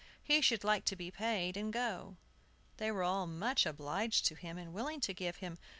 He should like to be paid, and go. They were all much obliged to him, and willing to give him $1.